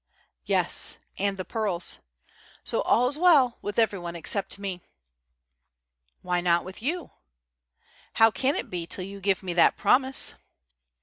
"Yes. And the pearls. So all's well with everyone except me." "Why not with you?" "How can it be till you give me that promise?"